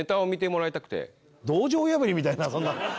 道場破りみたいなそんな。